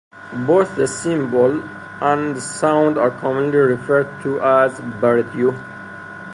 Both the symbol and the sound are commonly referred to as "barred u".